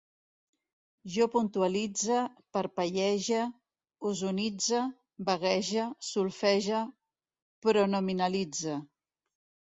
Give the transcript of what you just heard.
Jo puntualitze, parpellege, ozonitze, vaguege, solfege, pronominalitze